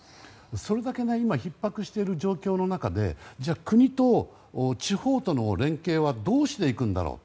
それだけひっ迫している状況の中でじゃあ、国と地方との連携はどうしていくんだろう。